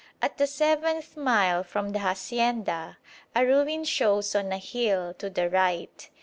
At the seventh mile from the hacienda a ruin shows on a hill to the right.